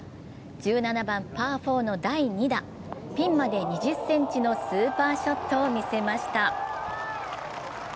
１７番・パー４の第２打、ピンまで２０ｃｍのスーパーショットをみせました。